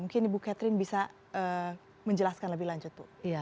mungkin ibu catherine bisa menjelaskan lebih lanjut bu